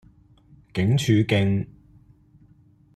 警署徑